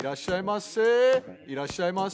いらっしゃいませ！